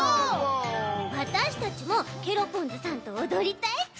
わたしたちもケロポンズさんとおどりたいち。